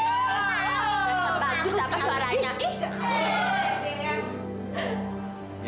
bagus banget suaranya